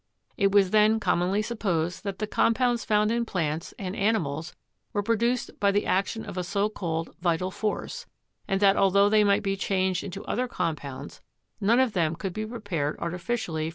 It was then commonly supposed that the compounds found in plants ORGANIC CHEMISTRY 225 and animals were produced by the action of a so called Vital force,' and that altho they might be changed into other compounds none of them could be prepared arti ficially from their elements.